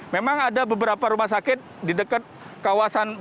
memang ada beberapa rumah sakit di dekat kawasan